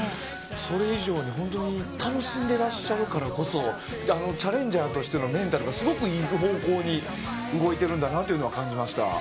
それ以上に本当に楽しんでいらっしゃるからこそチャレンジャーとしてのメンタルが、すごくいい方向に動いているんだなと感じました。